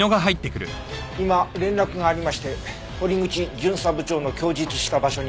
今連絡がありまして堀口巡査部長の供述した場所に自転車がないそうです。